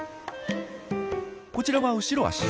こちらは後ろ足。